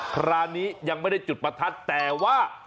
คราวนี้ยังไม่ได้จุดประทัดแต่ว่า